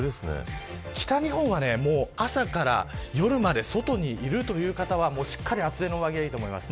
北日本は、もう朝から夜まで外にいるという方はしっかり厚手の上着がいいと思います。